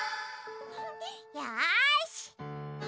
よし！